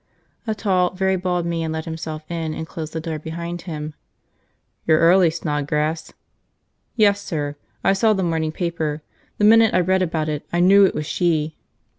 A tall, very bald man let himself in and closed the door behind him. "You're early, Snodgrass." "Yes, sir. I saw the morning paper. The minute I read about it, I knew it was she!"